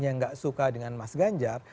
yang gak suka dengan mas ganjar